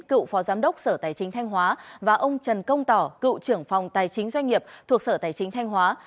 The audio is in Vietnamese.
cựu phó giám đốc sở tài chính thanh hóa và ông trần công tỏ cựu trưởng phòng tài chính doanh nghiệp thuộc sở tài chính thanh hóa